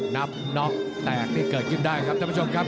นับน็อกแตกที่เกิดขึ้นได้ครับท่านผู้ชมครับ